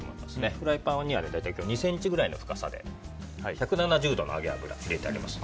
フライパンには２ｃｍぐらいの深さで１７０度の揚げ油を入れてあります。